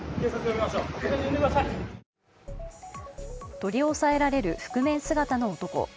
取り押さえられる覆面姿の男。